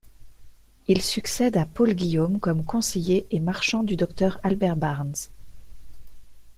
Il succède à Paul Guillaume, comme conseiller et marchand du docteur Albert Barnes.